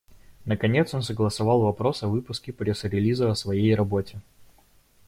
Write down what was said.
Наконец, он согласовал вопрос о выпуске пресс-релиза о своей работе.